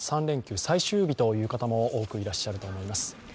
３連休最終日という方も多くいらっしゃると思います。